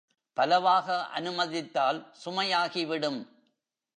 பலவாக அனுமதித்தால் சுமையாகிவிடும்.